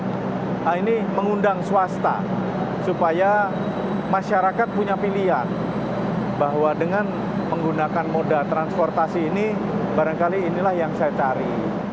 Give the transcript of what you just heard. nah ini mengundang swasta supaya masyarakat punya pilihan bahwa dengan menggunakan moda transportasi ini barangkali inilah yang saya cari